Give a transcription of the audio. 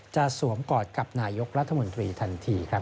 สวมกอดกับนายกรัฐมนตรีทันทีครับ